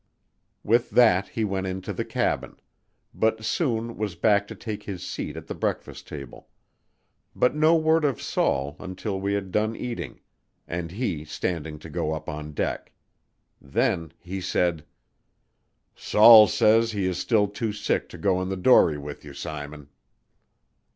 With that he went into the cabin; but soon was back to take his seat at the breakfast table; but no word of Saul until we had done eating, and he standing to go up on deck. Then he said: "Saul says he is still too sick to go in the dory with you, Simon."